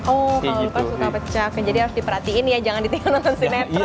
oh kalo lupa suka pecah jadi harus diperhatiin ya jangan ditinggal nonton sinetron ya